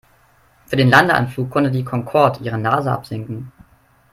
Für den Landeanflug konnte die Concorde ihre Nase absenken.